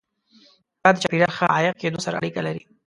دا د چاپیریال ښه عایق کېدو سره اړیکه لري.